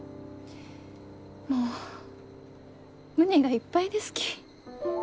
もう胸がいっぱいですき。